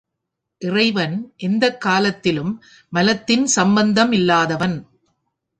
இறைவன் எந்தக் காலத்திலும் மலத்தின் சம்பந்தம் இல்லாதவன்.